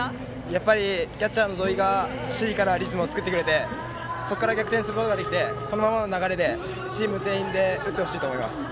やっぱりキャッチャーの土井が守備からリズムを作ってくれてそこから逆転することができてこのままの流れでチーム全員で打ってほしいと思います。